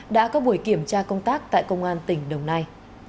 đã có buổi kiểm tra công tác tại công an tỉnh đồng nai